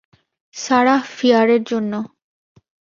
Sarah ফিয়ারের জন্য।